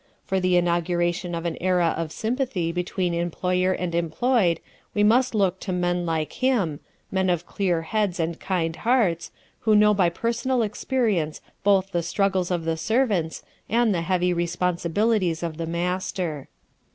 For the inauguration of an era of sympathy between employer and employed we must look to men like him, men of clear heads and kind hearts, who know by personal experience both the struggles of the servants and the heavy responsibilities of the master.